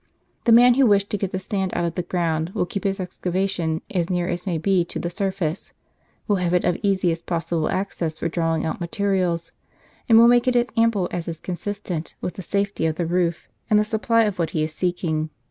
The man who wishes to get the sand out of the ground will keep his excavation as near as may be to the surface ; will have it of easiest possible access, for drawing out mate rials ; and will make it as ample as is consistent with the safety of the roof, and the supply of what he is seeking.